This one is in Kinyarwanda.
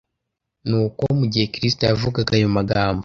Nuko mu gihe Kristo yavugaga ayo magambo,